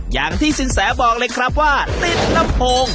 อย่างที่สินแสบอกเลยครับว่าติดลำโพง